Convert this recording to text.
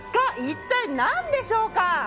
一体、何でしょうか？